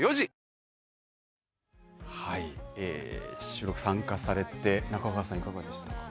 収録、参加されて中川さんいかがでした？